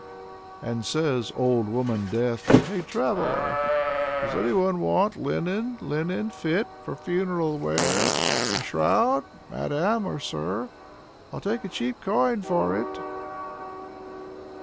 And says old woman Death: " Hey, traveler I Does any one want linen, linen fit For funeral wear? A shroud, madam or sir, 111 take cheap coin for it!